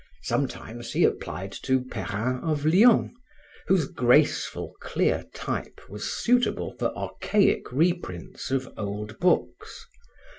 Sometimes, he applied to Perrin of Lyons, whose graceful, clear type was suitable for archaic reprints of old books.